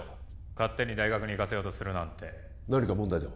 勝手に大学に行かせようとするなんて何か問題でも？